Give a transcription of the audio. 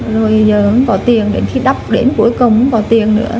rồi giờ không có tiền đến khi đắp đến cuối cùng không có tiền nữa